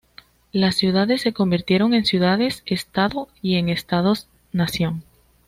Las ciudades se convirtieron en ciudades-estado y en estados-nación.